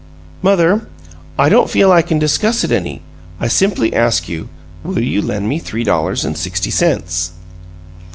"Mother, I don't feel I can discuss it any; I simply ask you: Will you lend me three dollars and sixty cents?"